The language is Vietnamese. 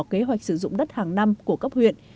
kế hoạch sử dụng đất hàng năm của cấp huyện